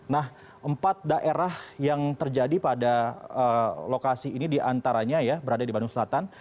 nah empat daerah yang terjadi pada lokasi ini diantaranya ya berada di bandung selatan